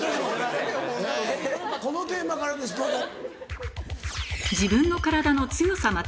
えこのテーマからですどうぞ。